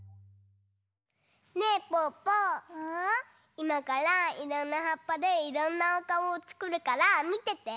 いまからいろんなはっぱでいろんなおかおをつくるからみてて。